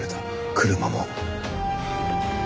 車も？